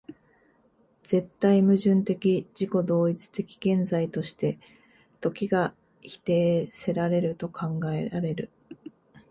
絶対矛盾的自己同一的現在として、時が否定せられると考えられる